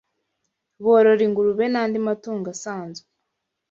borora ingurube n’andi matungo asanzwe